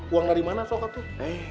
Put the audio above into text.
uang dari mana soka tuh